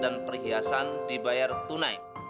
dan perhiasan dibayar tunai